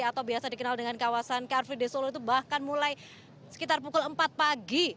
atau biasa dikenal dengan kawasan car free day solo itu bahkan mulai sekitar pukul empat pagi